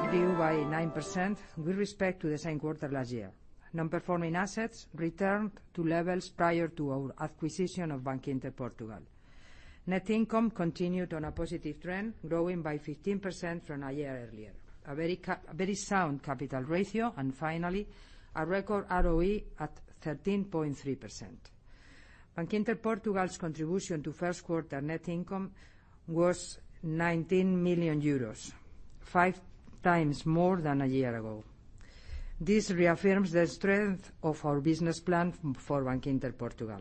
Revenues grew by 9% with respect to the same quarter last year. Non-performing assets returned to levels prior to our acquisition of Bankinter Portugal. Net income continued on a positive trend, growing by 15% from a year earlier. Finally, a record ROE at 13.3%. Bankinter Portugal's contribution to first quarter net income was 19 million euros, five times more than a year ago. This reaffirms the strength of our business plan for Bankinter Portugal.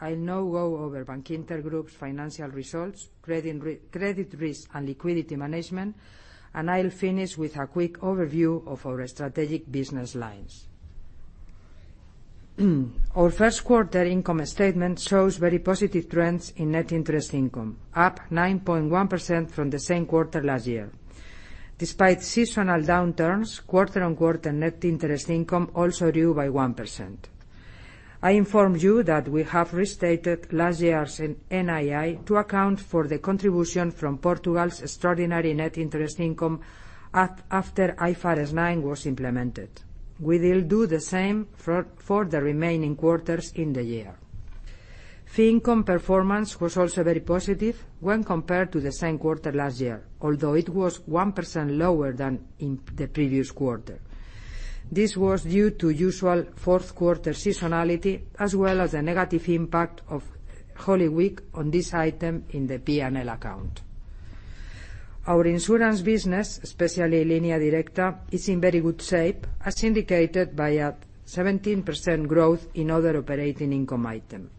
I now go over Bankinter Group's financial results, credit risk, and liquidity management. I'll finish with a quick overview of our strategic business lines. Our first quarter income statement shows very positive trends in net interest income, up 9.1% from the same quarter last year. Despite seasonal downturns, quarter-on-quarter net interest income also grew by 1%. I inform you that we have restated last year's NII to account for the contribution from Portugal's extraordinary net interest income after IFRS 9 was implemented. We will do the same for the remaining quarters in the year. Fee income performance was also very positive when compared to the same quarter last year, although it was 1% lower than in the previous quarter. This was due to usual fourth quarter seasonality, as well as the negative impact of Holy Week on this item in the P&L account. Our insurance business, especially Línea Directa, is in very good shape, as indicated by a 17% growth in other operating income item.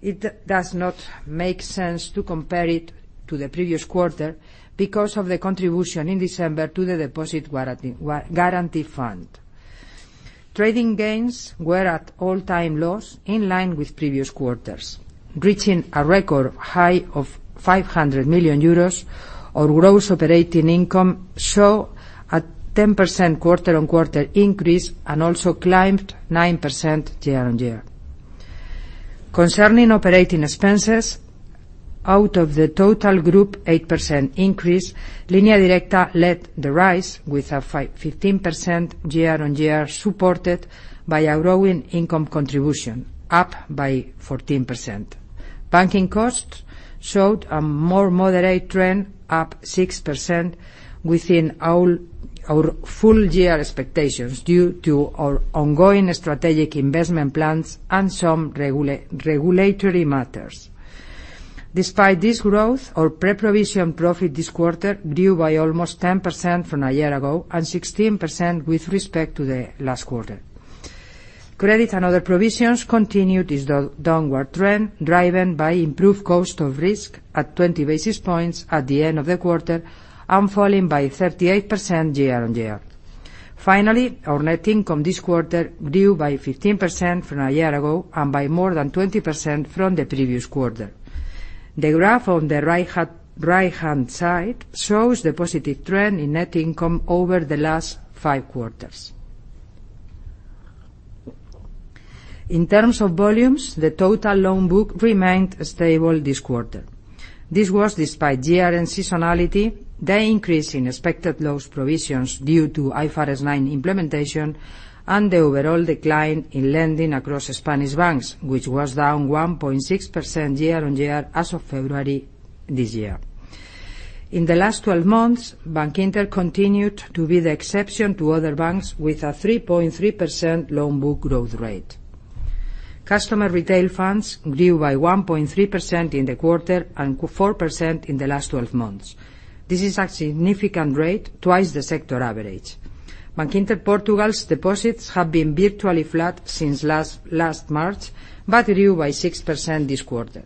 It does not make sense to compare it to the previous quarter because of the contribution in December to the Deposit Guarantee Fund. Trading gains were at all-time lows, in line with previous quarters, reaching a record high of 500 million euros. Our gross operating income saw a 10% quarter-on-quarter increase. It also climbed 9% year-on-year. Concerning operating expenses, out of the total group 8% increase, Línea Directa led the rise with a 15% year-on-year, supported by a growing income contribution, up by 14%. Banking costs showed a more moderate trend, up 6% within our full-year expectations due to our ongoing strategic investment plans and some regulatory matters. Despite this growth, our pre-provision profit this quarter grew by almost 10% from a year ago and 16% with respect to the last quarter. Credit and other provisions continued this downward trend, driven by improved cost of risk at 20 basis points at the end of the quarter and falling by 38% year-on-year. Finally, our net income this quarter grew by 15% from a year ago and by more than 20% from the previous quarter. The graph on the right-hand side shows the positive trend in net income over the last five quarters. In terms of volumes, the total loan book remained stable this quarter. This was despite year-end seasonality, the increase in expected loss provisions due to IFRS 9 implementation, and the overall decline in lending across Spanish banks, which was down 1.6% year-on-year as of February this year. In the last 12 months, Bankinter continued to be the exception to other banks, with a 3.3% loan book growth rate. Customer retail funds grew by 1.3% in the quarter and 4% in the last 12 months. This is a significant rate, twice the sector average. Bankinter Portugal's deposits have been virtually flat since last March, but grew by 6% this quarter.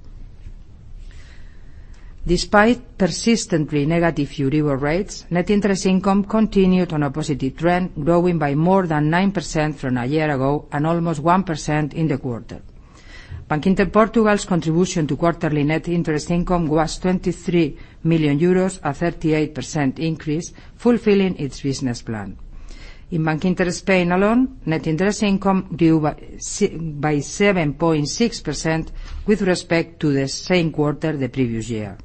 Despite persistently negative Euribor rates, net interest income continued on a positive trend, growing by more than 9% from a year ago and almost 1% in the quarter. Bankinter Portugal's contribution to quarterly net interest income was 23 million euros, a 38% increase, fulfilling its business plan. In Bankinter Spain alone, net interest income grew by 7.6% with respect to the same quarter the previous year.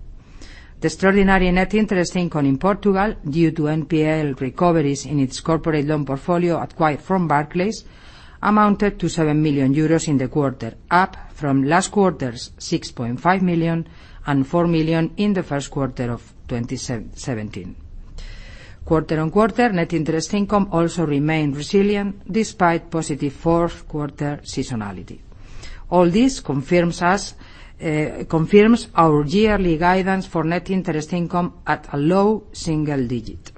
The extraordinary net interest income in Portugal, due to NPL recoveries in its corporate loan portfolio acquired from Barclays, amounted to 7 million euros in the quarter, up from last quarter's 6.5 million and 4 million in the first quarter of 2017. Quarter-on-quarter, net interest income also remained resilient despite positive fourth quarter seasonality. All this confirms our yearly guidance for net interest income at a low single digit.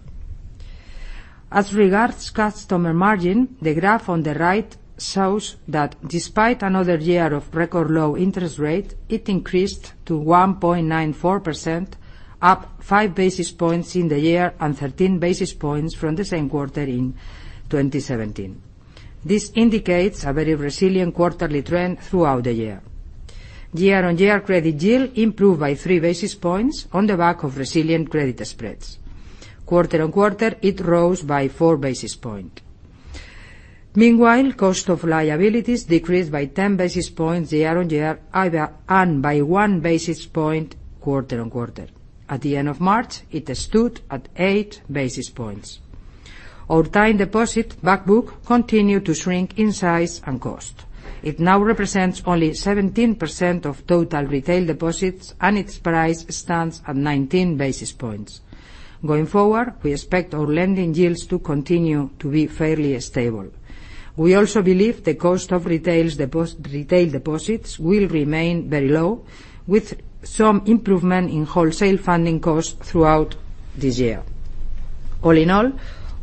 As regards customer margin, the graph on the right shows that despite another year of record low interest rate, it increased to 1.94%, up five basis points in the year and 13 basis points from the same quarter in 2017. This indicates a very resilient quarterly trend throughout the year. Year-on-year credit yield improved by three basis points on the back of resilient credit spreads. Quarter-on-quarter, it rose by four basis point. Meanwhile, cost of liabilities decreased by 10 basis points year-on-year, and by one basis point quarter-on-quarter. At the end of March, it stood at eight basis points. Our time deposit back book continued to shrink in size and cost. It now represents only 17% of total retail deposits, and its price stands at 19 basis points. Going forward, we expect our lending yields to continue to be fairly stable. We also believe the cost of retail deposits will remain very low, with some improvement in wholesale funding costs throughout this year. All in all,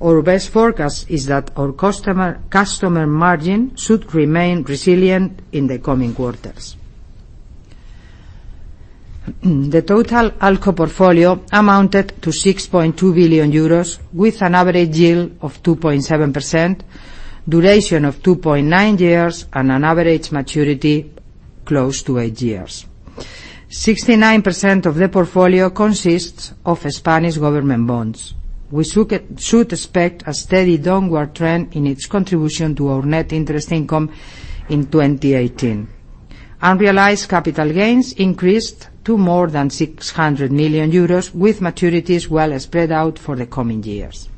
our best forecast is that our customer margin should remain resilient in the coming quarters. The total ALCO portfolio amounted to 6.2 billion euros, with an average yield of 2.7%, duration of 2.9 years, and an average maturity close to eight years. 69% of the portfolio consists of Spanish government bonds. We should expect a steady downward trend in its contribution to our net interest income in 2018. Unrealized capital gains increased to more than 600 million euros, with maturities well spread out for the coming years.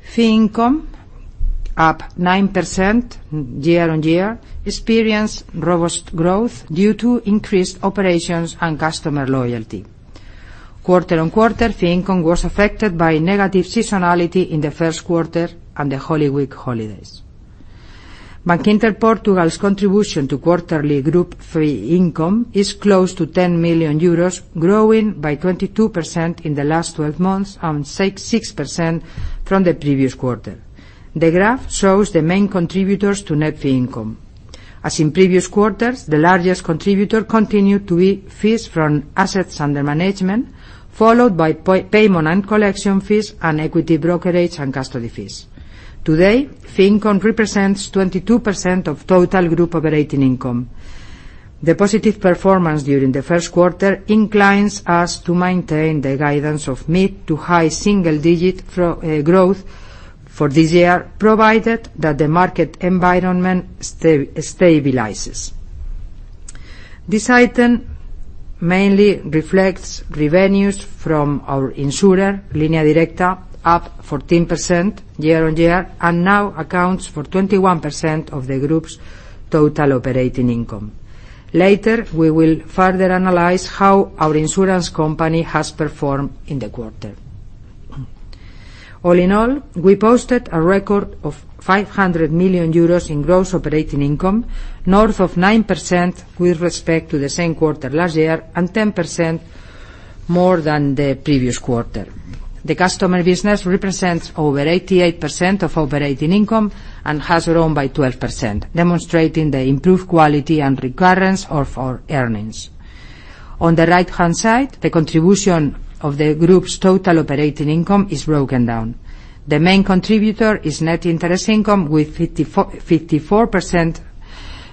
Fee income, up 9% year-on-year, experienced robust growth due to increased operations and customer loyalty. Quarter-on-quarter fee income was affected by negative seasonality in the first quarter and the Holy Week holidays. Bankinter Portugal's contribution to quarterly group fee income is close to 10 million euros, growing by 22% in the last 12 months and 6% from the previous quarter. The graph shows the main contributors to net fee income. As in previous quarters, the largest contributor continued to be fees from assets under management, followed by payment and collection fees, and equity brokerage and custody fees. Today, fee income represents 22% of total group operating income. The positive performance during the first quarter inclines us to maintain the guidance of mid-to-high single-digit growth for this year, provided that the market environment stabilizes. This item mainly reflects revenues from our insurer, Línea Directa, up 14% year-on-year, and now accounts for 21% of the group's total operating income. Later, we will further analyze how our insurance company has performed in the quarter. All in all, we posted a record of 500 million euros in gross operating income, north of 9% with respect to the same quarter last year and 10% more than the previous quarter. The customer business represents over 88% of operating income and has grown by 12%, demonstrating the improved quality and recurrence of our earnings. On the right-hand side, the contribution of the group's total operating income is broken down. The main contributor is net interest income with 54%,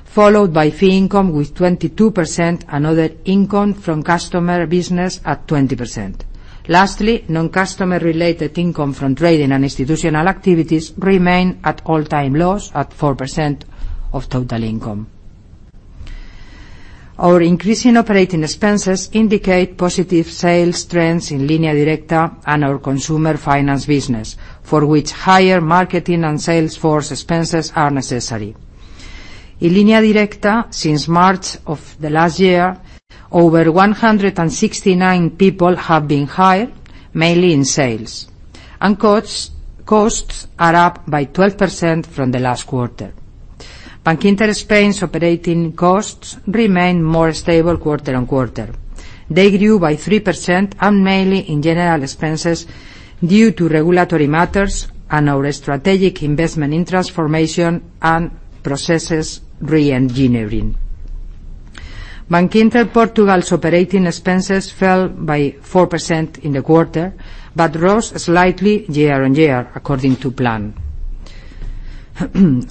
followed by fee income with 22%, and other income from customer business at 20%. Lastly, non-customer related income from trading and institutional activities remain at all-time lows at 4% of total income. Our increase in operating expenses indicate positive sales trends in Línea Directa and our consumer finance business, for which higher marketing and sales force expenses are necessary. In Línea Directa, since March of last year, over 169 people have been hired, mainly in sales, and costs are up by 12% from the last quarter. Bankinter Spain's operating costs remain more stable quarter-on-quarter. They grew by 3% and mainly in general expenses due to regulatory matters and our strategic investment in transformation and processes re-engineering. Bankinter Portugal's operating expenses fell by 4% in the quarter, but rose slightly year-on-year according to plan.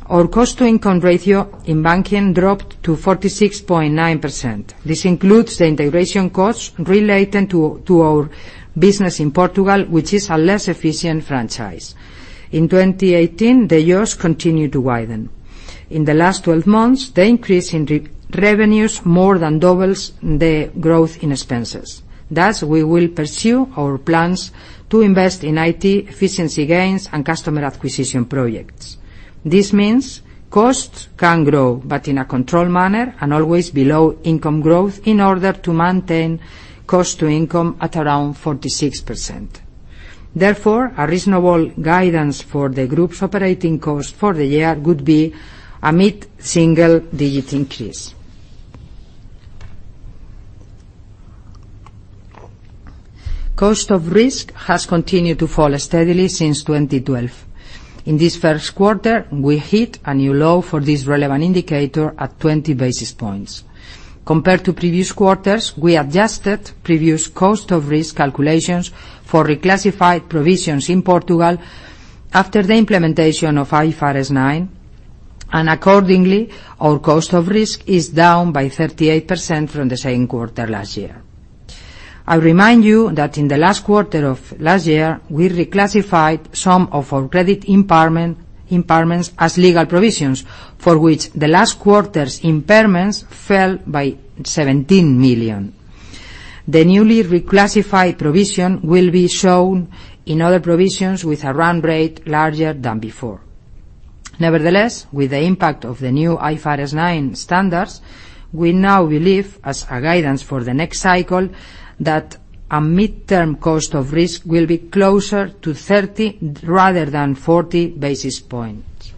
Our cost-to-income ratio in banking dropped to 46.9%. This includes the integration costs related to our business in Portugal, which is a less efficient franchise. In 2018, the years continued to widen. In the last 12 months, the increase in revenues more than doubles the growth in expenses. We will pursue our plans to invest in IT efficiency gains and customer acquisition projects. This means costs can grow, but in a controlled manner and always below income growth, in order to maintain cost to income at around 46%. Therefore, a reasonable guidance for the group's operating cost for the year would be a mid-single digit increase. Cost of risk has continued to fall steadily since 2012. In this first quarter, we hit a new low for this relevant indicator at 20 basis points. Compared to previous quarters, we adjusted previous cost of risk calculations for reclassified provisions in Portugal after the implementation of IFRS 9, and accordingly, our cost of risk is down by 38% from the same quarter last year. I remind you that in the last quarter of last year, we reclassified some of our credit impairments as legal provisions, for which the last quarter's impairments fell by 17 million. The newly reclassified provision will be shown in other provisions with a run rate larger than before. Nevertheless, with the impact of the new IFRS 9 standards, we now believe, as a guidance for the next cycle, that a midterm cost of risk will be closer to 30 rather than 40 basis points.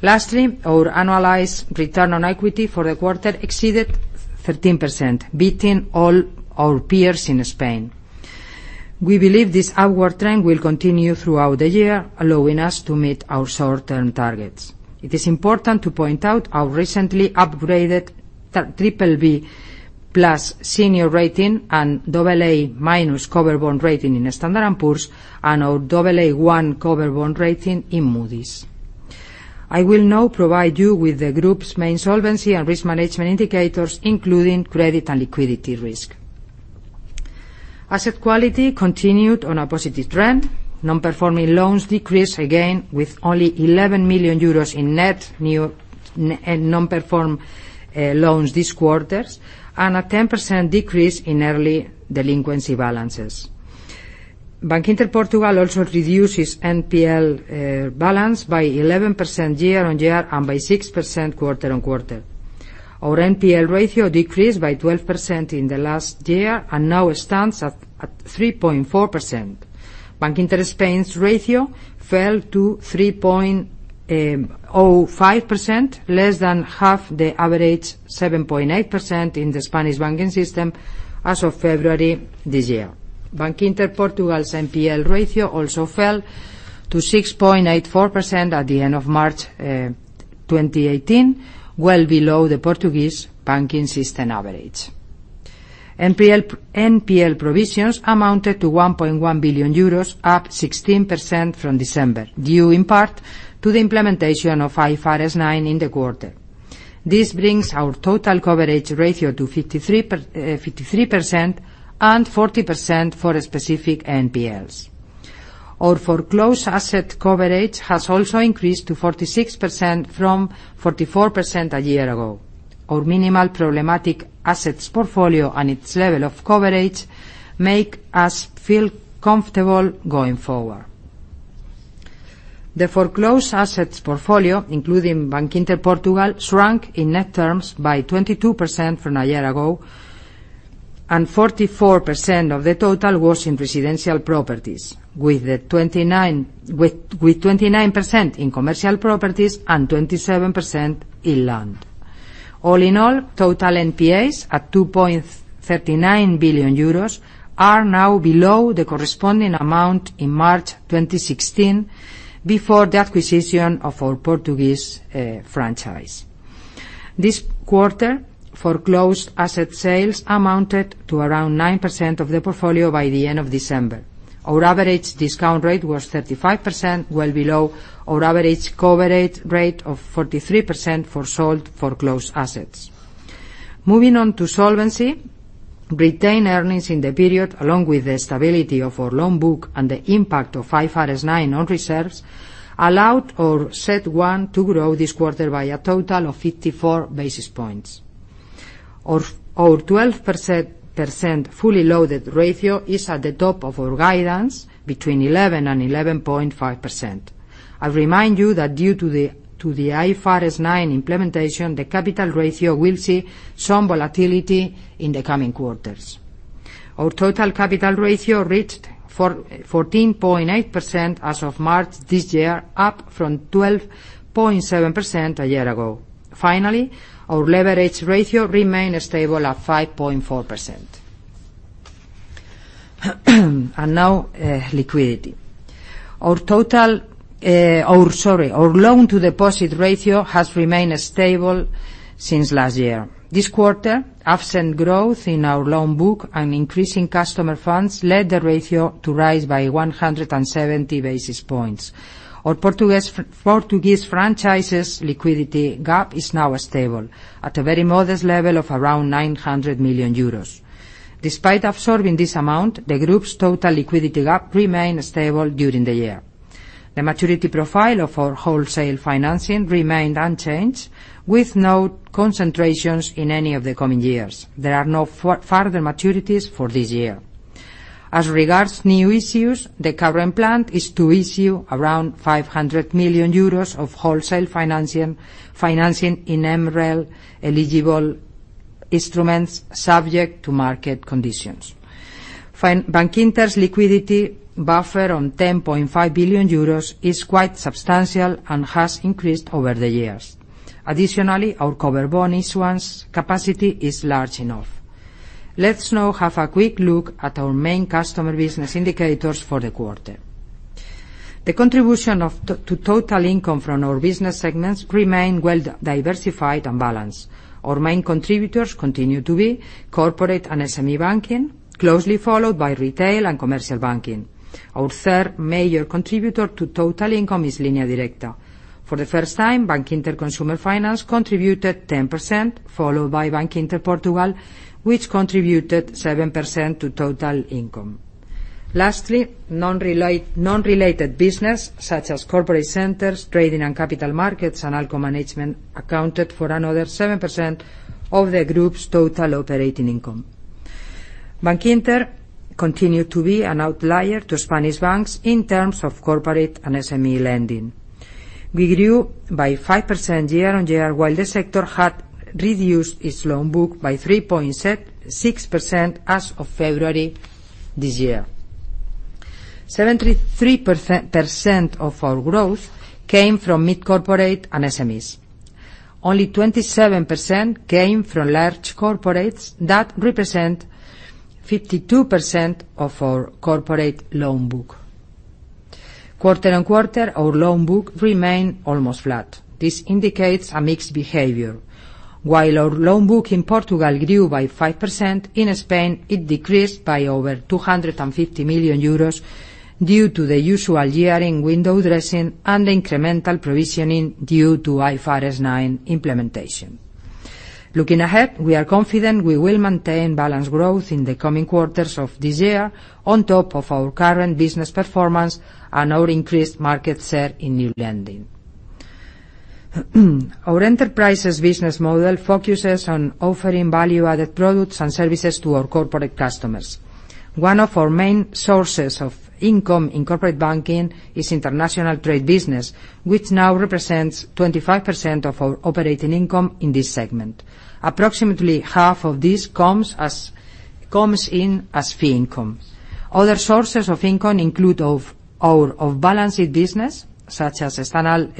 Lastly, our annualized return on equity for the quarter exceeded 13%, beating all our peers in Spain. We believe this outward trend will continue throughout the year, allowing us to meet our short-term targets. It is important to point out our recently upgraded BBB+ senior rating and AA- cover bond rating in Standard & Poor's, and our AA1 cover bond rating in Moody's. I will now provide you with the group's main solvency and risk management indicators, including credit and liquidity risk. Asset quality continued on a positive trend. Non-performing loans decreased again, with only 11 million euros in net new non-performing loans this quarter, and a 10% decrease in early delinquency balances. Bankinter Portugal also reduced its NPL balance by 11% year-on-year and by 6% quarter-on-quarter. Our NPL ratio decreased by 12% in the last year and now stands at 3.4%. Bankinter Spain's ratio fell to 3.05%, less than half the average 7.8% in the Spanish banking system as of February this year. Bankinter Portugal's NPL ratio also fell to 6.84% at the end of March 2018, well below the Portuguese banking system average. NPL provisions amounted to 1.1 billion euros, up 16% from December, due in part to the implementation of IFRS 9 in the quarter. This brings our total coverage ratio to 53% and 40% for specific NPLs. Our foreclosed asset coverage has also increased to 46% from 44% a year ago. Our minimal problematic assets portfolio and its level of coverage make us feel comfortable going forward. The foreclosed assets portfolio, including Bankinter Portugal, shrunk in net terms by 22% from a year ago, and 44% of the total was in residential properties, with 29% in commercial properties and 27% in land. All in all, total NPAs at 2.39 billion euros, are now below the corresponding amount in March 2016, before the acquisition of our Portuguese franchise. This quarter, foreclosed asset sales amounted to around 9% of the portfolio by the end of December. Our average discount rate was 35%, well below our average coverage rate of 43% for sold foreclosed assets. Moving on to solvency, retained earnings in the period, along with the stability of our loan book and the impact of IFRS 9 on reserves, allowed our CET1 to grow this quarter by a total of 54 basis points. Our 12% fully loaded ratio is at the top of our guidance, between 11%-11.5%. I remind you that due to the IFRS 9 implementation, the capital ratio will see some volatility in the coming quarters. Our total capital ratio reached 14.8% as of March this year, up from 12.7% a year ago. Finally, our leverage ratio remained stable at 5.4%. Now, liquidity. Our loan to deposit ratio has remained stable since last year. This quarter, absent growth in our loan book and increasing customer funds led the ratio to rise by 170 basis points. Our Portuguese franchise's liquidity gap is now stable at a very modest level of around 900 million euros. Despite absorbing this amount, the group's total liquidity gap remained stable during the year. The maturity profile of our wholesale financing remained unchanged, with no concentrations in any of the coming years. There are no further maturities for this year. As regards new issues, the current plan is to issue around 500 million euros of wholesale financing in MREL-eligible instruments subject to market conditions. Bankinter's liquidity buffer on 10.5 billion euros is quite substantial and has increased over the years. Additionally, our cover bond issuance capacity is large enough. Let's now have a quick look at our main customer business indicators for the quarter. The contribution to total income from our business segments remained well diversified and balanced. Our main contributors continue to be corporate and SME banking, closely followed by retail and commercial banking. Our third major contributor to total income is Línea Directa. For the first time, Bankinter Consumer Finance contributed 10%, followed by Bankinter Portugal, which contributed 7% to total income. non-related business, such as corporate centers, trading and capital markets, and ALCO management, accounted for another 7% of the group's total operating income. Bankinter continued to be an outlier to Spanish banks in terms of corporate and SME lending. We grew by 5% year-on-year, while the sector had reduced its loan book by 3.6% as of February this year. 73% of our growth came from mid-corporate and SMEs. Only 27% came from large corporates that represent 52% of our corporate loan book. Quarter-on-quarter, our loan book remained almost flat. This indicates a mixed behavior. While our loan book in Portugal grew by 5%, in Spain, it decreased by over 250 million euros due to the usual year-end window dressing and incremental provisioning due to IFRS 9 implementation. Looking ahead, we are confident we will maintain balanced growth in the coming quarters of this year on top of our current business performance and our increased market share in new lending. Our enterprises business model focuses on offering value-added products and services to our corporate customers. One of our main sources of income in corporate banking is international trade business, which now represents 25% of our operating income in this segment. Approximately half of this comes in as fee income. Other sources of income include our off-balance sheet business, such as stand-by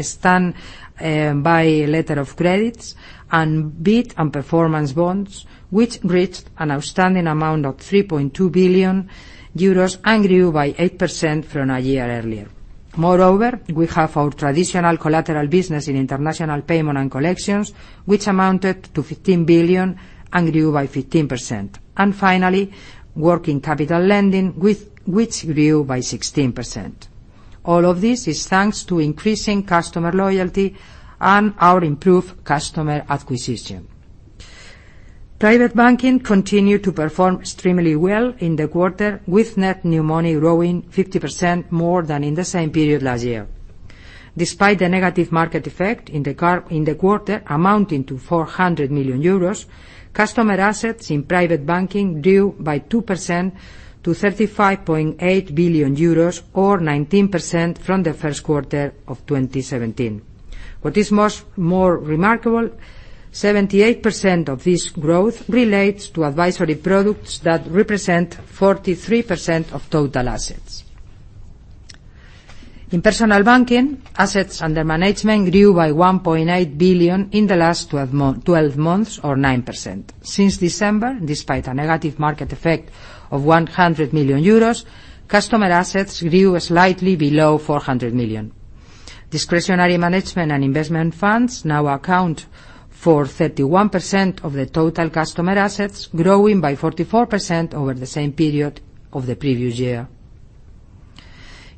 letter of credits, and bid and performance bonds, which reached an outstanding amount of 3.2 billion euros and grew by 8% from a year earlier. Moreover, we have our traditional collateral business in international payment and collections, which amounted to 15 billion and grew by 15%. Finally, working capital lending, which grew by 16%. All of this is thanks to increasing customer loyalty and our improved customer acquisition. Private banking continued to perform extremely well in the quarter, with net new money growing 50% more than in the same period last year. Despite the negative market effect in the quarter amounting to 400 million euros, customer assets in private banking grew by 2% to 35.8 billion euros, or 19% from the first quarter of 2017. What is more remarkable, 78% of this growth relates to advisory products that represent 43% of total assets. In personal banking, assets under management grew by 1.8 billion in the last 12 months or 9%. Since December, despite a negative market effect of 100 million euros, customer assets grew slightly below 400 million. Discretionary management and investment funds now account for 31% of the total customer assets, growing by 44% over the same period of the previous year.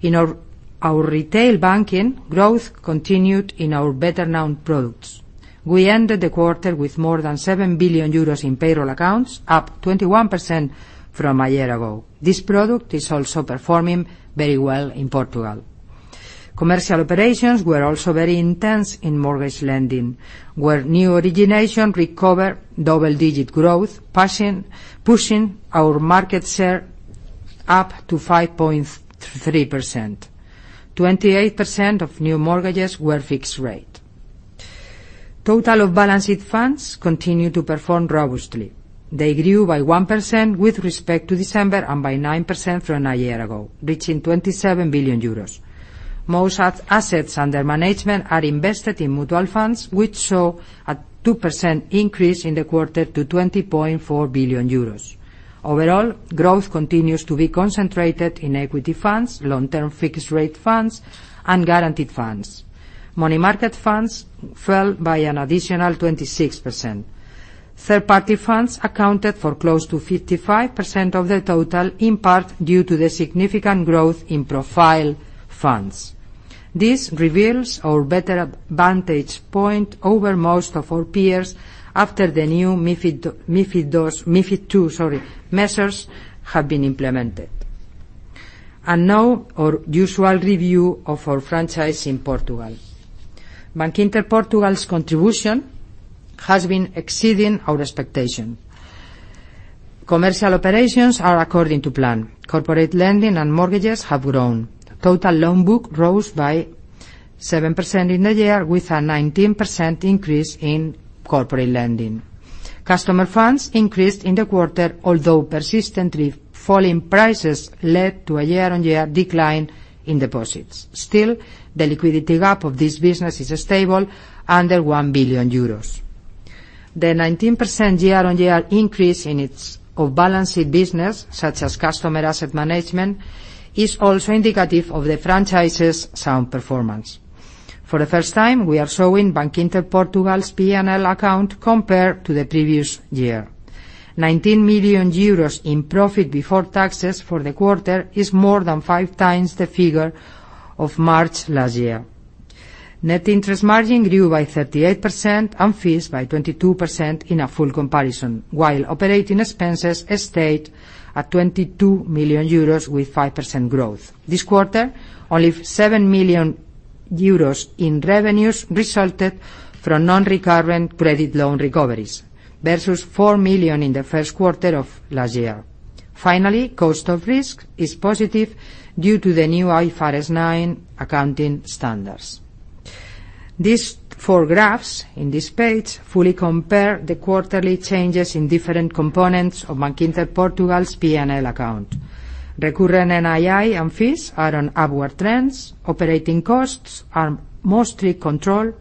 In our retail banking, growth continued in our better-known products. We ended the quarter with more than 7 billion euros in payroll accounts, up 21% from a year ago. This product is also performing very well in Portugal. Commercial operations were also very intense in mortgage lending, where new origination recovered double-digit growth, pushing our market share up to 5.3%. 28% of new mortgages were fixed rate. Total off-balance sheet funds continued to perform robustly. They grew by 1% with respect to December and by 9% from a year ago, reaching 27 billion euros. Most assets under management are invested in mutual funds, which saw a 2% increase in the quarter to 20.4 billion euros. Overall, growth continues to be concentrated in equity funds, long-term fixed-rate funds, and guaranteed funds. Money market funds fell by an additional 26%. Third-party funds accounted for close to 55% of the total, in part due to the significant growth in profile funds. This reveals our better vantage point over most of our peers after the new MiFID II measures have been implemented. Now, our usual review of our franchise in Portugal. Bankinter Portugal's contribution has been exceeding our expectation. Commercial operations are according to plan. Corporate lending and mortgages have grown. Total loan book rose by 7% in the year, with a 19% increase in corporate lending. Customer funds increased in the quarter, although persistently falling prices led to a year-on-year decline in deposits. Still, the liquidity gap of this business is stable, under 1 billion euros. The 19% year-on-year increase in its off-balance sheet business, such as customer asset management, is also indicative of the franchise's sound performance. For the first time, we are showing Bankinter Portugal's P&L account compared to the previous year. 19 million euros in profit before taxes for the quarter is more than five times the figure of March last year. Net interest margin grew by 38% and fees by 22% in a full comparison, while operating expenses stayed at 22 million euros with 5% growth. This quarter, only 7 million euros in revenues resulted from non-recurrent credit loan recoveries, versus 4 million in the first quarter of last year. Finally, cost of risk is positive due to the new IFRS 9 accounting standards. These four graphs on this page fully compare the quarterly changes in different components of Bankinter Portugal's P&L account. Recurrent NII and fees are on upward trends, operating costs are mostly controlled,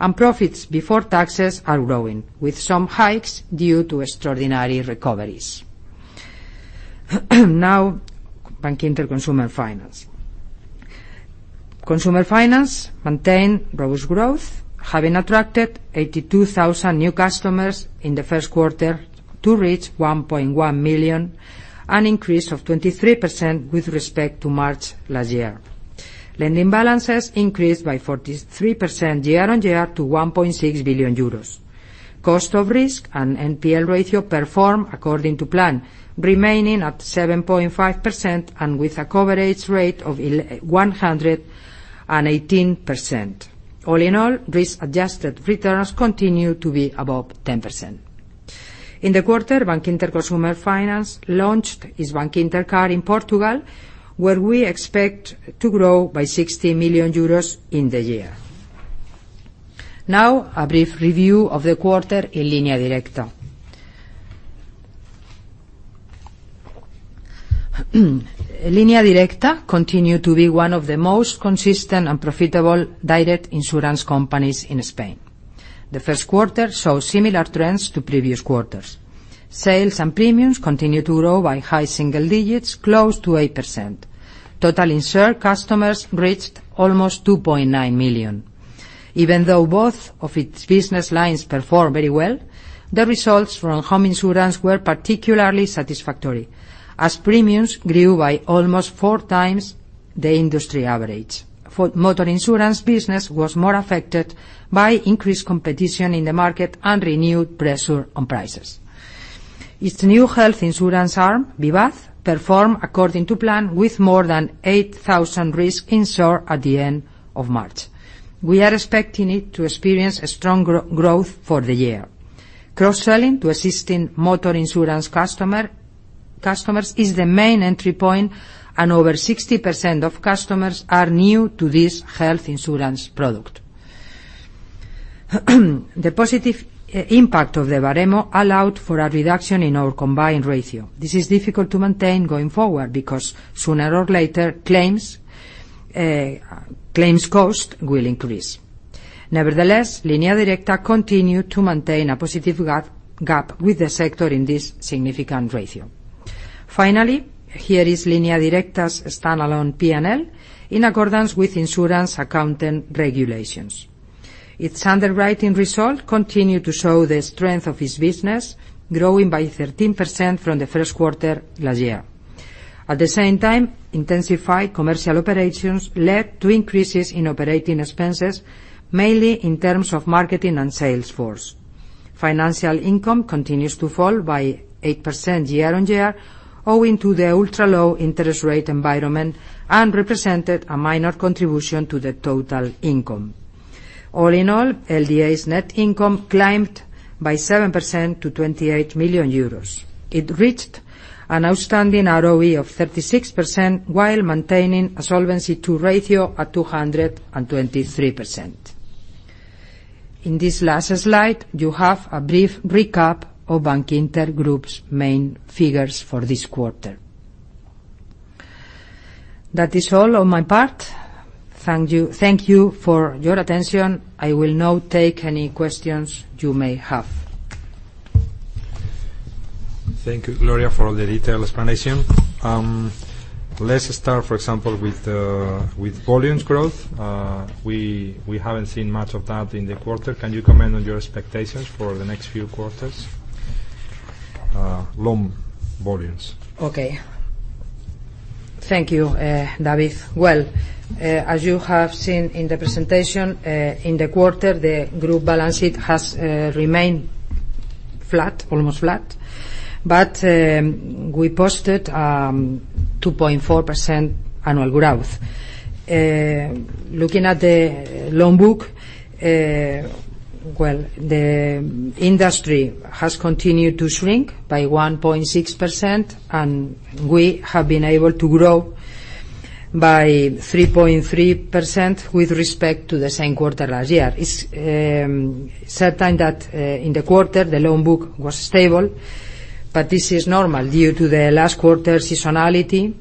and profits before taxes are growing, with some hikes due to extraordinary recoveries. Now, Bankinter Consumer Finance. Consumer Finance maintained robust growth, having attracted 82,000 new customers in the first quarter to reach 1.1 million, an increase of 23% with respect to March last year. Lending balances increased by 43% year-on-year to 1.6 billion euros. Cost of risk and NPL ratio performed according to plan, remaining at 7.5% and with a coverage rate of 118%. All in all, risk-adjusted returns continue to be above 10%. In the quarter, Bankinter Consumer Finance launched its bankintercard in Portugal, where we expect to grow by 60 million euros in the year. Now, a brief review of the quarter in Línea Directa. Línea Directa continue to be one of the most consistent and profitable direct insurance companies in Spain. The first quarter saw similar trends to previous quarters. Sales and premiums continued to grow by high single digits, close to 8%. Total insured customers reached almost 2.9 million. Even though both of its business lines perform very well, the results from home insurance were particularly satisfactory, as premiums grew by almost four times the industry average. For motor insurance, business was more affected by increased competition in the market and renewed pressure on prices. Its new health insurance arm, Vivaz, performed according to plan, with more than 8,000 risks insured at the end of March. We are expecting it to experience stronger growth for the year. Cross-selling to existing motor insurance customers is the main entry point, and over 60% of customers are new to this health insurance product. The positive impact of the Baremo allowed for a reduction in our combined ratio. This is difficult to maintain going forward because sooner or later, claims cost will increase. Nevertheless, Línea Directa continued to maintain a positive gap with the sector in this significant ratio. Finally, here is Línea Directa's standalone P&L in accordance with insurance accounting regulations. Its underwriting result continued to show the strength of its business, growing by 13% from the first quarter last year. At the same time, intensified commercial operations led to increases in operating expenses, mainly in terms of marketing and sales force. Financial income continues to fall by 8% year-on-year, owing to the ultra-low interest rate environment, and represented a minor contribution to the total income. All in all, LDA's net income climbed by 7% to 28 million euros. It reached an outstanding ROE of 36%, while maintaining a Solvency II ratio at 223%. In this last slide, you have a brief recap of Bankinter Group's main figures for this quarter. That is all on my part. Thank you for your attention. I will now take any questions you may have. Thank you, Gloria, for the detailed explanation. Let's start, for example, with volumes growth. We haven't seen much of that in the quarter. Can you comment on your expectations for the next few quarters? Loan volumes. Okay. Thank you, David. Well, as you have seen in the presentation, in the quarter, the group balance sheet has remained almost flat. We posted 2.4% annual growth. Looking at the loan book, well, the industry has continued to shrink by 1.6%, and we have been able to grow by 3.3% with respect to the same quarter last year. It's certain that in the quarter, the loan book was stable, but this is normal due to the last quarter seasonality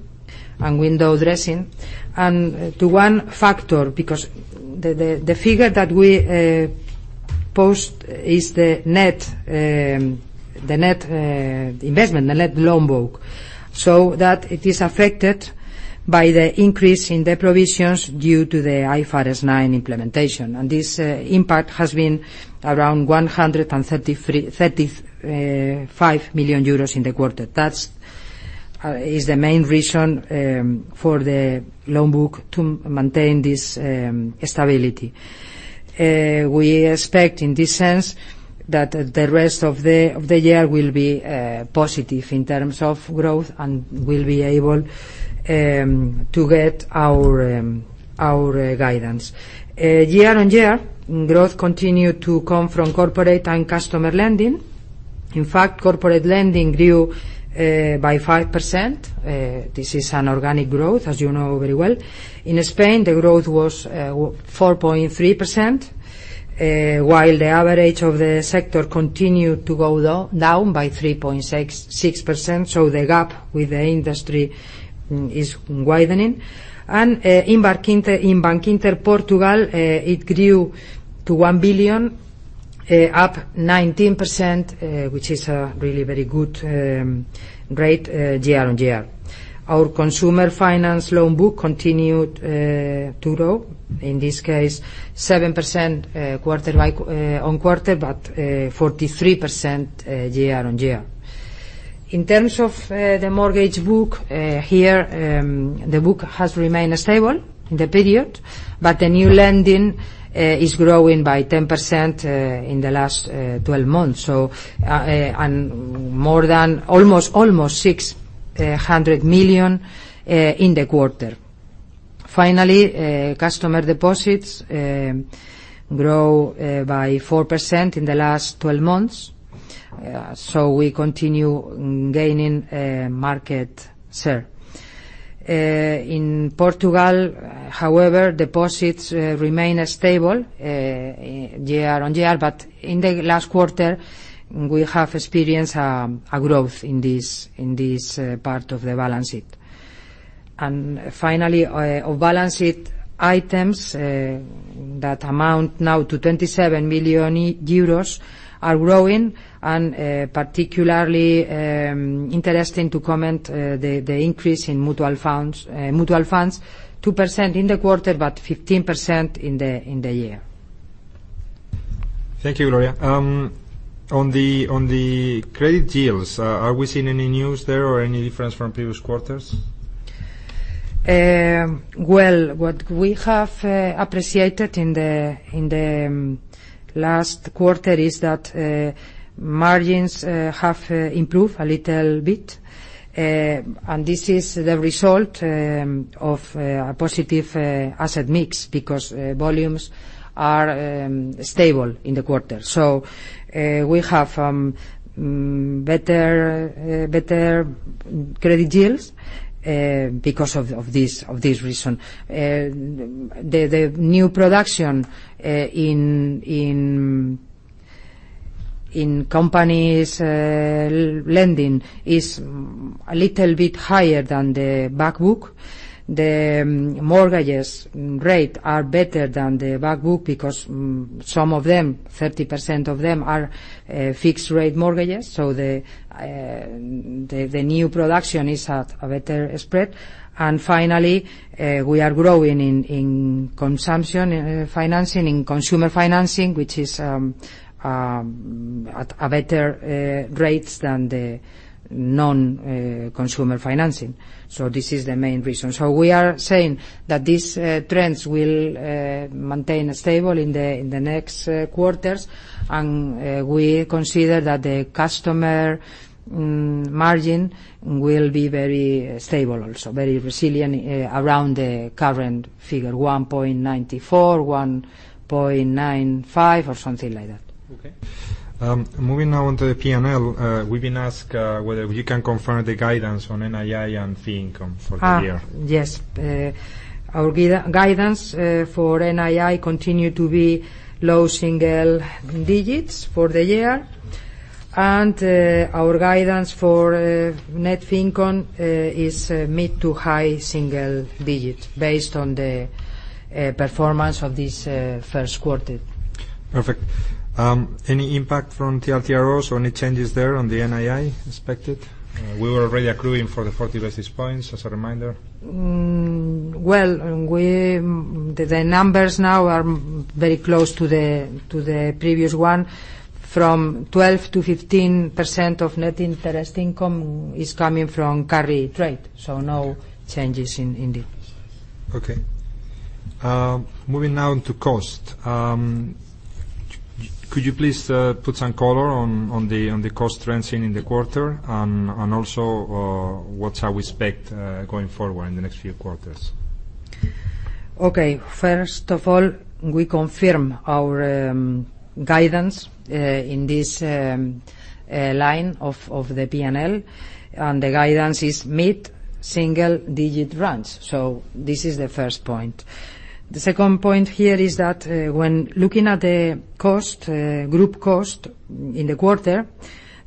and window dressing. To one factor, because the figure that we post is the net investment, the net loan book. It is affected by the increase in the provisions due to the IFRS 9 implementation. This impact has been around 135 million euros in the quarter. That is the main reason for the loan book to maintain this stability. We expect, in this sense, that the rest of the year will be positive in terms of growth, and we'll be able to get our guidance. Year-on-year, growth continued to come from corporate and customer lending. In fact, corporate lending grew by 5%. This is an organic growth, as you know very well. In Spain, the growth was 4.3%, while the average of the sector continued to go down by 3.6%. The gap with the industry is widening. In Bankinter Portugal, it grew to 1 billion, up 19%, which is a really very good rate year-on-year. Our consumer finance loan book continued to grow, in this case, 7% on quarter, but 43% year-on-year. In terms of the mortgage book, the book has remained stable in the period, but the new lending is growing by 10% in the last 12 months, and more than almost 600 million in the quarter. Finally, customer deposits grow by 4% in the last 12 months. We continue gaining market share. In Portugal, however, deposits remain stable year-over-year. In the last quarter, we have experienced a growth in this part of the balance sheet. Finally, off-balance-sheet items, that amount now to 27 million euros, are growing, and particularly interesting to comment, the increase in mutual funds. 2% in the quarter, but 15% in the year. Thank you, Gloria. On the credit deals, are we seeing any news there or any difference from previous quarters? Well, what we have appreciated in the last quarter is that margins have improved a little bit. This is the result of a positive asset mix, because volumes are stable in the quarter. We have better credit deals because of this reason. The new production in companies lending is a little bit higher than the back book. The mortgages rate are better than the back book because some of them, 30% of them, are fixed rate mortgages. The new production is at a better spread. Finally, we are growing in consumption financi, in consumer financing, which is at a better rates than the non-consumer financing. This is the main reason. We are saying that these trends will maintain stable in the next quarters. We consider that the customer margin will be very stable also, very resilient around the current figure, 1.94%, 1.95%, or something like that. Okay. Moving now on to the P&L. We've been asked whether you can confirm the guidance on NII and fee income for the year. Yes. Our guidance for NII continue to be low single digits for the year. Our guidance for net fee income is mid to high single digits based on the performance of this first quarter. Perfect. Any impact from TLTROs or any changes there on the NII expected? We were already accruing for the 40 basis points, as a reminder. Well, the numbers now are very close to the previous one. From 12%-15% of net interest income is coming from carry trade. No changes indeed. Okay. Moving now into cost. Could you please put some color on the cost trends in the quarter? What's our prospect going forward in the next few quarters? Okay. First of all, we confirm our guidance, in this line of the P&L. The guidance is mid-single digit range. This is the first point. The second point here is that when looking at the group cost in the quarter,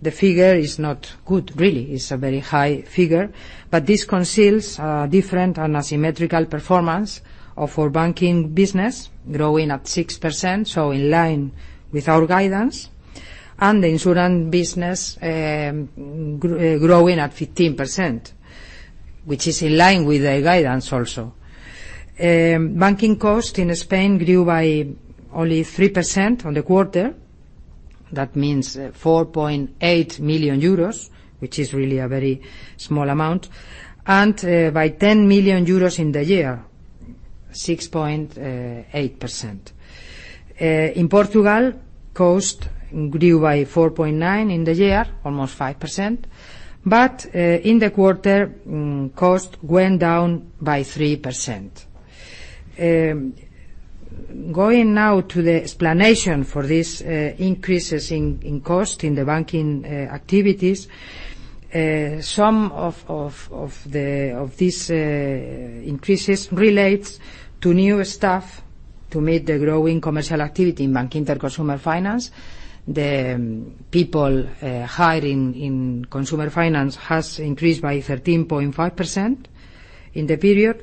the figure is not good, really. It's a very high figure. This conceals a different and asymmetrical performance of our banking business growing at 6%, so in line with our guidance. The insurance business growing at 15%, which is in line with the guidance also. Banking cost in Spain grew by only 3% on the quarter. That means 4.8 million euros, which is really a very small amount, and by 10 million euros in the year, 6.8%. In Portugal, cost grew by 4.9% in the year, almost 5%, but in the quarter, cost went down by 3%. Going now to the explanation for these increases in cost in the banking activities. Some of these increases relate to new staff to meet the growing commercial activity in Bankinter Consumer Finance. The people hiring in consumer finance have increased by 13.5% in the period.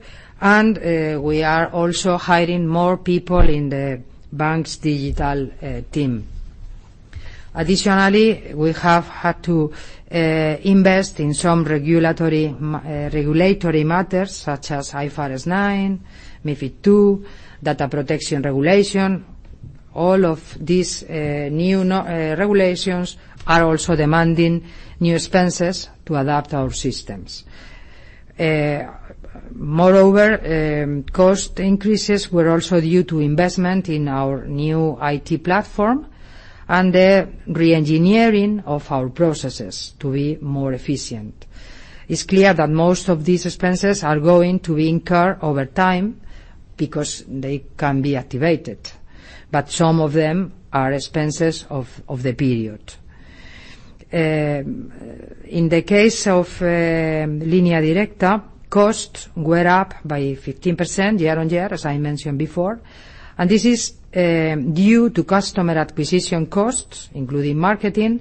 We are also hiring more people in the bank's digital team. Additionally, we have had to invest in some regulatory matters such as IFRS 9, MiFID II, Data Protection Regulation. All of these new regulations are also demanding new expenses to adapt our systems. Moreover, cost increases were also due to investment in our new IT platform and the re-engineering of our processes to be more efficient. It's clear that most of these expenses are going to incur over time because they can be activated. Some of them are expenses of the period. In the case of Línea Directa, costs were up by 15% year-on-year, as I mentioned before. This is due to customer acquisition costs, including marketing,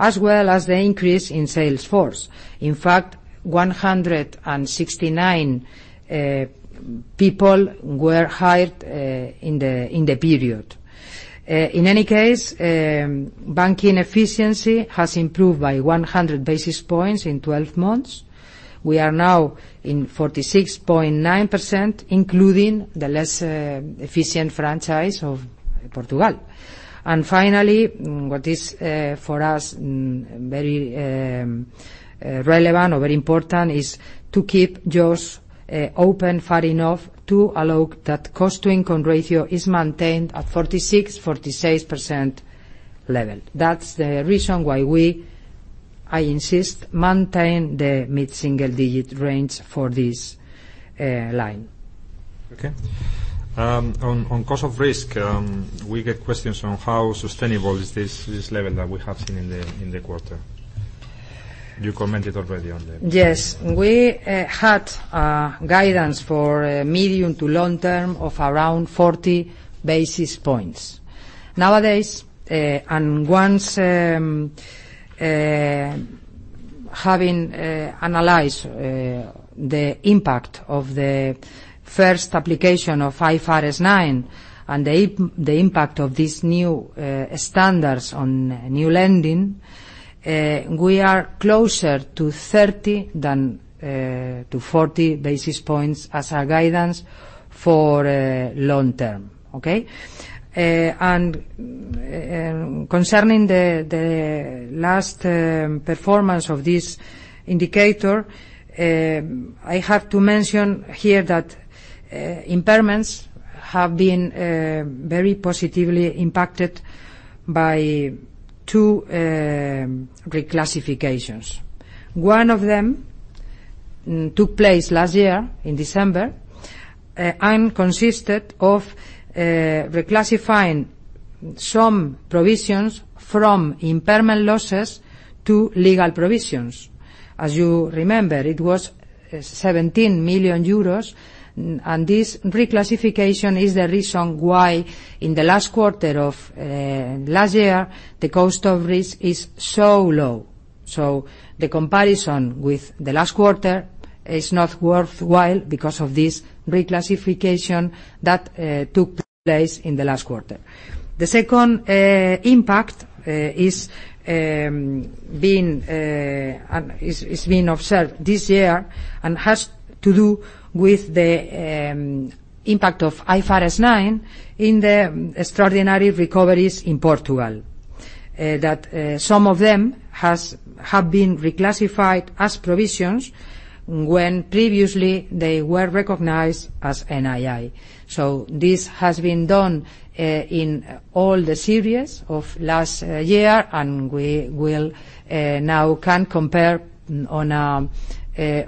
as well as the increase in sales force. In fact, 169 people were hired in the period. In any case, banking efficiency has improved by 100 basis points in 12 months. We are now in 46.9%, including the less efficient franchise of Portugal. Finally, what is for us very relevant or very important is to keep doors open far enough to allow that cost-to-income ratio is maintained at 46% level. That's the reason why we, I insist, maintain the mid-single digit range for this line. Okay. On cost of risk, we get questions on how sustainable is this level that we have seen in the quarter. You commented already on that. Yes. We had guidance for medium to long term of around 40 basis points. Nowadays, once having analyzed the impact of the first application of IFRS 9 and the impact of these new standards on new lending, we are closer to 30 than to 40 basis points as our guidance for long term. Okay? Concerning the last performance of this indicator, I have to mention here that impairments have been very positively impacted by two reclassifications. One of them took place last year in December and consisted of reclassifying some provisions from impairment losses to legal provisions. As you remember, it was 17 million euros, and this reclassification is the reason why in the last quarter of last year, the cost of risk is so low. The comparison with the last quarter is not worthwhile because of this reclassification that took place in the last quarter. The second impact is being observed this year and has to do with the impact of IFRS 9 in the extraordinary recoveries in Portugal, that some of them have been reclassified as provisions when previously they were recognized as NII. This has been done in all the series of last year, and we now can compare on a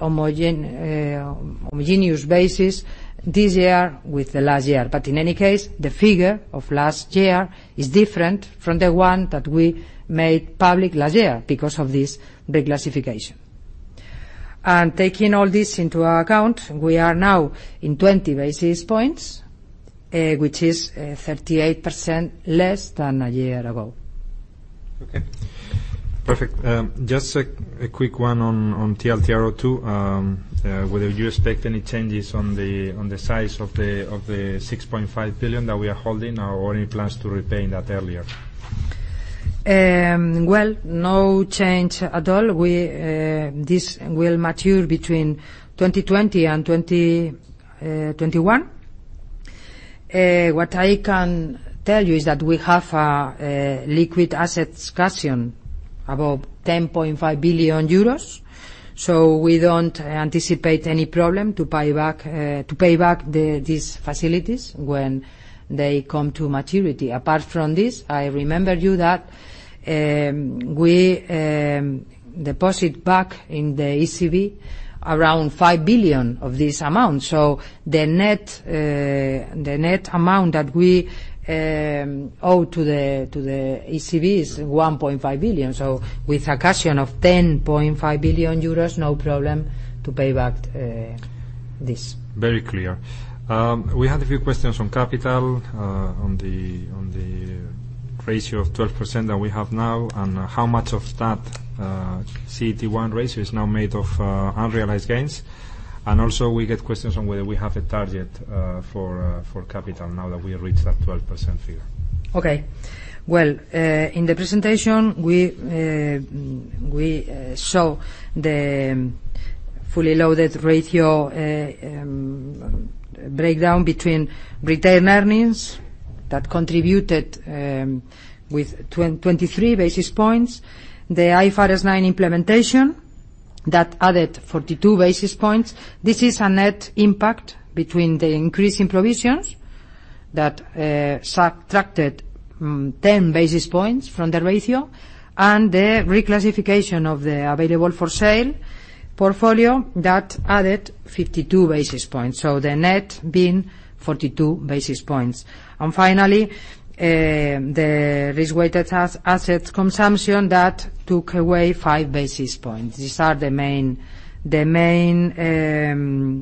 homogeneous basis this year with the last year. In any case, the figure of last year is different from the one that we made public last year because of this reclassification. Taking all this into account, we are now in 20 basis points, which is 38% less than a year ago. Okay. Perfect. Just a quick one on TLTRO II. Whether you expect any changes on the size of the 6.5 billion that we are holding or any plans to repay that earlier. Well, no change at all. This will mature between 2020 and 2021. What I can tell you is that we have liquid assets cash of about €10.5 billion. We don't anticipate any problem to pay back these facilities when they come to maturity. Apart from this, I remind you that we deposit back in the ECB around 5 billion of this amount. The net amount that we owe to the ECB is 1.5 billion. With a cash of €10.5 billion, no problem to pay back this. Very clear. We had a few questions on capital, on the ratio of 12% that we have now, and how much of that CET1 ratio is now made of unrealized gains. We get questions on whether we have a target for capital now that we have reached that 12% figure. Okay. Well, in the presentation, we show the fully loaded ratio breakdown between retained earnings, that contributed with 23 basis points. The IFRS 9 implementation, that added 42 basis points. This is a net impact between the increase in provisions that subtracted 10 basis points from the ratio, and the reclassification of the available-for-sale portfolio that added 52 basis points. The net being 42 basis points. The risk-weighted assets consumption, that took away five basis points. These are the main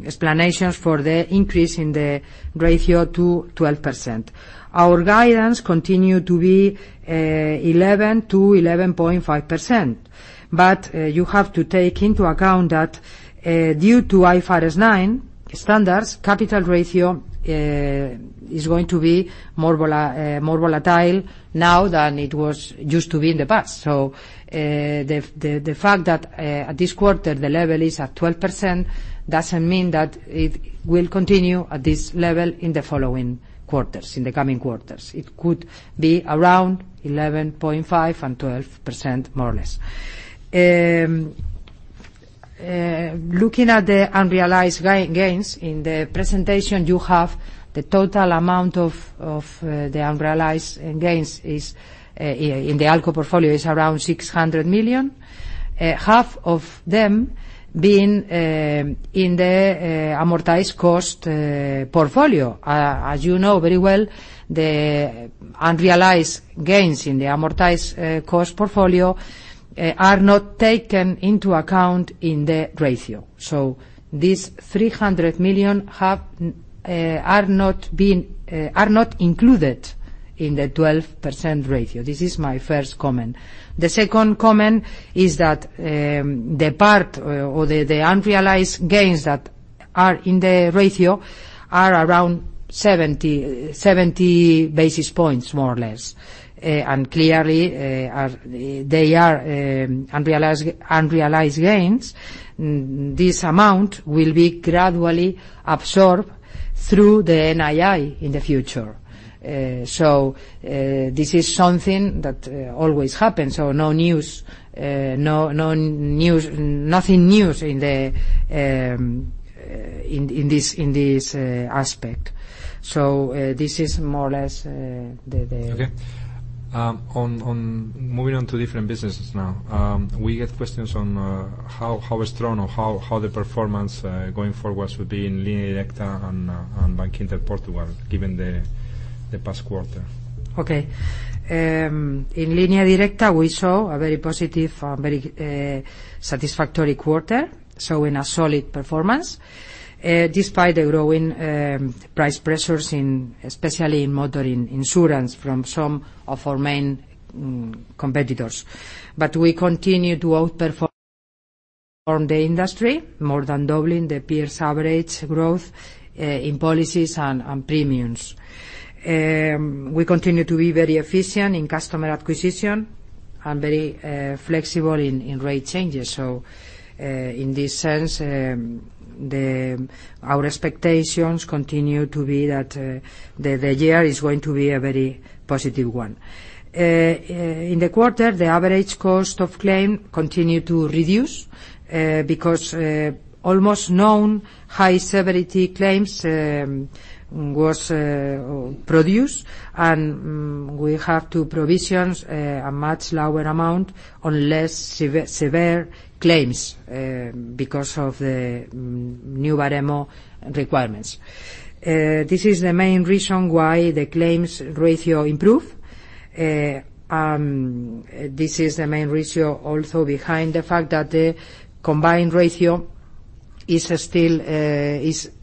explanations for the increase in the ratio to 12%. Our guidance continue to be 11%-11.5%. You have to take into account that due to IFRS 9 standards, capital ratio is going to be more volatile now than it used to be in the past. The fact that at this quarter, the level is at 12%, doesn't mean that it will continue at this level in the following quarters, in the coming quarters. It could be around 11.5% and 12%, more or less. Looking at the unrealized gains, in the presentation, you have the total amount of the unrealized gains in the ALCO portfolio is around 600 million. Half of them being in the amortized cost portfolio. As you know very well, the unrealized gains in the amortized cost portfolio are not taken into account in the ratio. These 300 million are not included in the 12% ratio. This is my first comment. The second comment is that the part or the unrealized gains that are in the ratio are around 70 basis points, more or less. Clearly, they are unrealized gains. This amount will be gradually absorbed through the NII in the future. This is something that always happens. Nothing new in this aspect. This is more or less. Okay. Moving on to different businesses now. We get questions on how strong or how the performance going forwards will be in Línea Directa and Bankinter Portugal, given the past quarter. Okay. In Línea Directa, we saw a very positive, very satisfactory quarter. In a solid performance, despite the growing price pressures, especially in motor insurance from some of our main competitors. We continue to outperform the industry, more than doubling the peers' average growth in policies and premiums. We continue to be very efficient in customer acquisition and very flexible in rate changes. In this sense, our expectations continue to be that the year is going to be a very positive one. In the quarter, the average cost of claim continued to reduce because almost no high-severity claims was produced, and we have to provision a much lower amount on less severe claims because of the new Baremo requirements. This is the main reason why the claims ratio improved. This is the main ratio also behind the fact that the combined ratio is still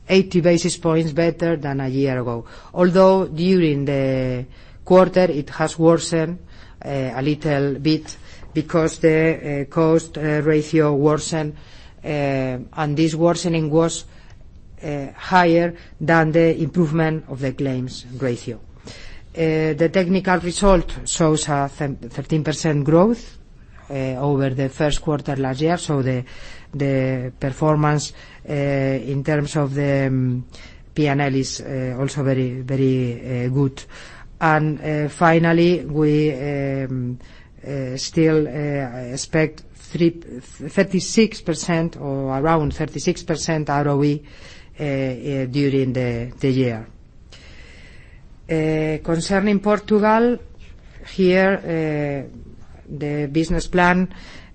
80 basis points better than a year ago. Although during the quarter, it has worsened a little bit because the cost ratio worsened, and this worsening was higher than the improvement of the claims ratio. The technical result shows a 13% growth. Over the first quarter last year, the performance in terms of the P&L is also very good. Finally, we still expect 36% or around 36% ROE during the year. Concerning Portugal, here the business plan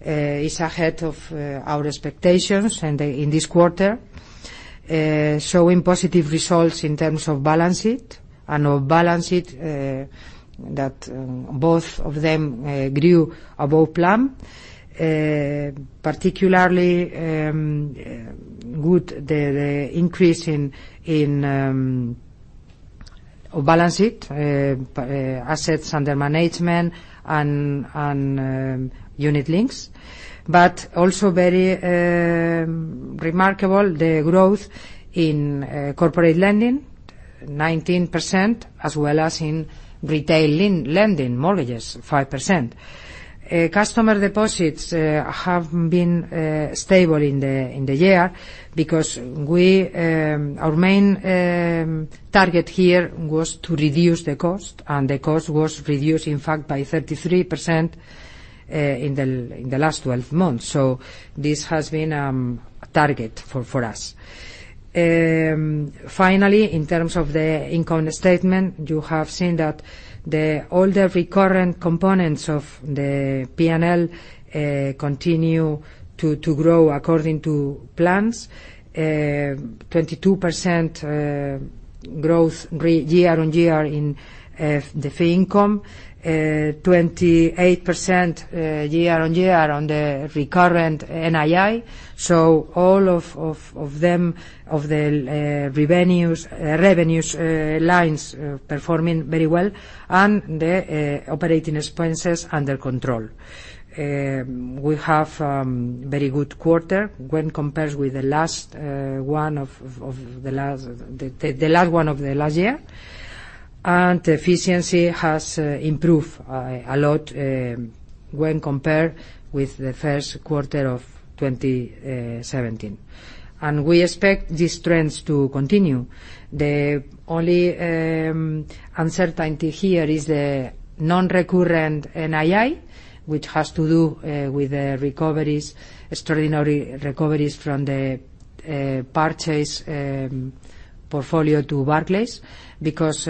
is ahead of our expectations in this quarter, showing positive results in terms of balance sheet and off-balance sheet that both of them grew above plan. Particularly good, the increase in off-balance sheet assets under management and unit links. Very remarkable, the growth in corporate lending, 19%, as well as in retail lending, mortgages, 5%. Customer deposits have been stable in the year because our main target here was to reduce the cost, and the cost was reduced, in fact, by 33% in the last 12 months. This has been a target for us. Finally, in terms of the income statement, you have seen that all the recurrent components of the P&L continue to grow according to plans. 22% growth year-on-year in the fee income. 28% year-on-year on the recurrent NII. All of the revenues lines performing very well. The operating expenses under control. We have very good quarter when compared with the last one of the last year. Efficiency has improved a lot when compared with the first quarter of 2017. We expect these trends to continue. The only uncertainty here is the non-recurrent NII, which has to do with extraordinary recoveries from the purchase portfolio to Barclays, because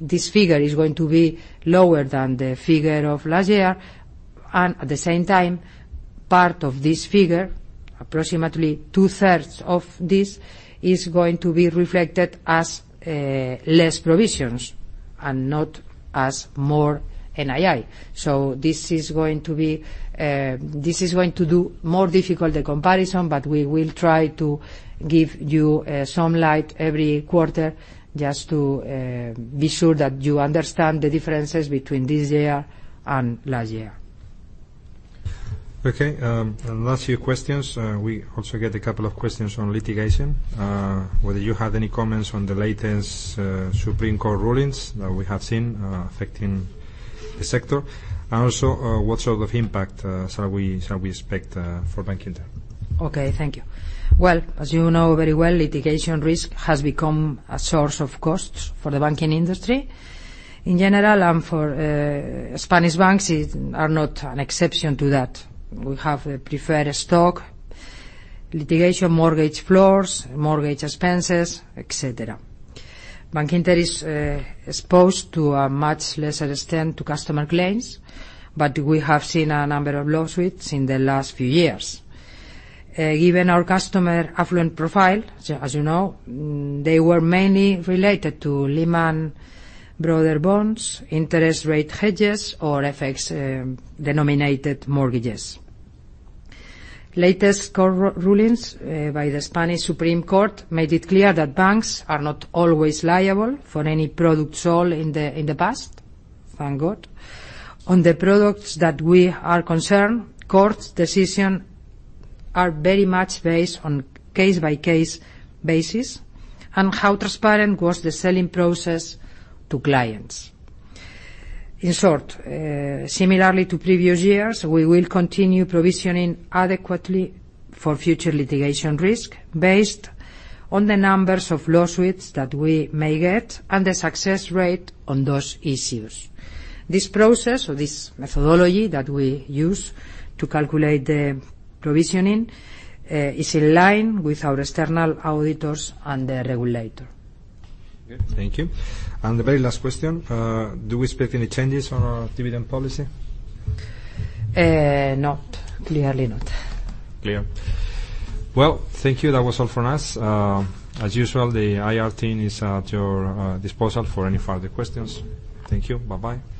this figure is going to be lower than the figure of last year. At the same time, part of this figure, approximately two-thirds of this, is going to be reflected as less provisions and not as more NII. This is going to do more difficult the comparison, we will try to give you some light every quarter just to be sure that you understand the differences between this year and last year. Okay. Last few questions. We also get a couple of questions on litigation. Whether you have any comments on the latest Supreme Court rulings that we have seen affecting the sector. Also, what sort of impact shall we expect for Bankinter? Okay, thank you. Well, as you know very well, litigation risk has become a source of costs for the banking industry. In general, and Spanish banks are not an exception to that. We have preferred stock, litigation mortgage floors, mortgage expenses, et cetera. Bankinter is exposed to a much lesser extent to customer claims, but we have seen a number of lawsuits in the last few years. Given our customer affluent profile, as you know, they were mainly related to Lehman Brothers bonds, interest rate hedges, or FX-denominated mortgages. Latest court rulings by the Supreme Court of Spain made it clear that banks are not always liable for any product sold in the past. Thank God. On the products that we are concerned, courts' decisions are very much based on case-by-case basis and how transparent was the selling process to clients. In short, similarly to previous years, we will continue provisioning adequately for future litigation risk based on the numbers of lawsuits that we may get and the success rate on those issues. This process or this methodology that we use to calculate the provisioning is in line with our external auditors and the regulator. Good. Thank you. The very last question, do we expect any changes on our dividend policy? Not. Clearly not. Clear. Well, thank you. That was all from us. As usual, the IR team is at your disposal for any further questions. Thank you. Bye-bye. Okay.